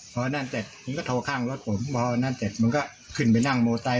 พอนั่นเสร็จมันก็โทรข้างรถผมพอนั่นเสร็จมันก็ขึ้นไปนั่งมอเตอร์